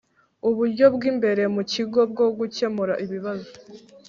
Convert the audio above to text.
Uburyo bw’ imbere mu kigo bwo gukemura ibibazo